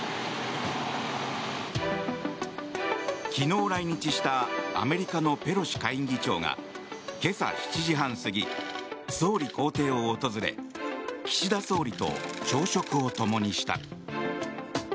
昨日来日したアメリカのペロシ下院議長が今朝７時半過ぎ、総理公邸を訪れ岸田総理と朝食をともにした。